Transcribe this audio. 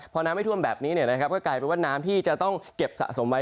พอน้ำไม่ท่วมแบบนี้เนี่ยนะครับก็กลายเป็นน้ำที่จะต้องเก็บสะสมไว้